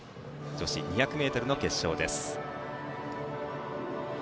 女子２００ｍ決勝でした。